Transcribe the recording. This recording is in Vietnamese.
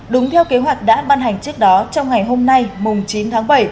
đúng theo kế hoạch đã ban hành trước đó trong ngày hôm nay mùng chín tháng bảy